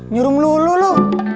nyuruh melulu lu